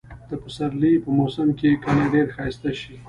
د پسرلي په موسم کې کلى ډېر ښايسته شي.